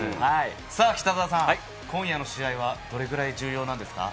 北澤さん、今夜の試合はどれぐらい重要ですか？